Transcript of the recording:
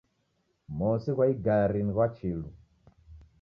Mosi ghwa igari ni ghwa chilu